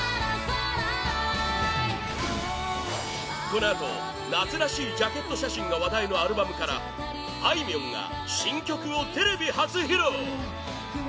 このあと夏らしいジャケット写真が話題のアルバムからあいみょんが新曲をテレビ初披露！